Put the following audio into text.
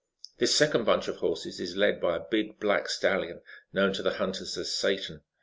"This second bunch of horses is led by a big black stallion known to the hunters as Satan.